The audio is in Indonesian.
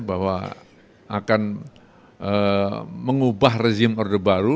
bahwa akan mengubah rezim orde baru